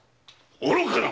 愚かな‼